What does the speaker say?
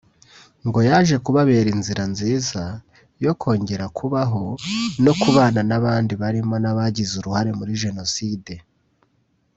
ngo yaje kubabera inzira nziza yo kongera kubaho no kubana n’abandi barimo n’abagize uruhare muri Jenoside